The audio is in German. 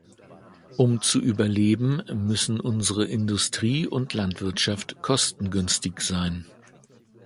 Um zu überleben, müssen unsere Industrie und Landwirtschaft kostengünstig sein.